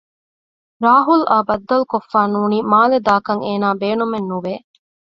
ރާހުލްއާ ބައްދަލުކޮށްފައި ނޫނީ މާލެ ދާކަށް އޭނާ ބޭނުމެއް ނުވެ